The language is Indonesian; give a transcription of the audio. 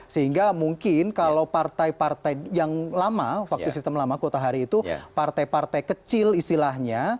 sehingga mungkin kalau partai partai yang lama waktu sistem lama kuota hari itu partai partai kecil istilahnya